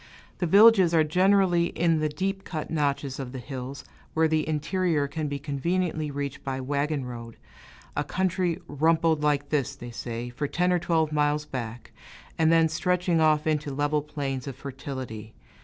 The villages are generally in the deep cut notches of the hills, where the interior can be conveniently reached by a wagon road a country "rumpled like this," they say, for ten or twelve miles back, and then stretching off into level plains of fertility.